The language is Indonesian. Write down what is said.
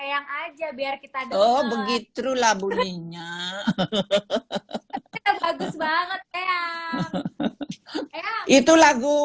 yang aja biar kita doh begitu laburnya hahaha bagus banget ya itu lagu